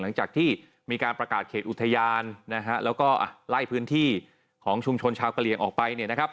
หลังจากที่มีการประกาศเขตอุทยานแล้วก็ไล่พื้นที่ของชุมชนชาวกะเลียงออกไป